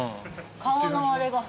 顔のあれが。